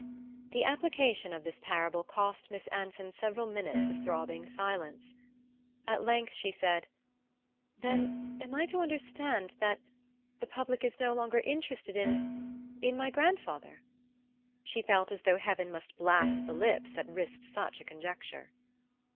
The application of this parable cost Miss Anson several minutes of throbbing silence. At length she said: "Then I am to understand that the public is no longer interested in in my grandfather?" She felt as though heaven must blast the lips that risked such a conjecture.